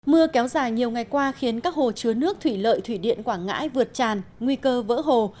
mưa kéo dài nhiều ngày qua khiến các hồ chứa nước thủy lợi thủy điện quảng ngãi vượt tràn nguy cơ vỡ hồ